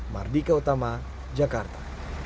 mardika utama jakarta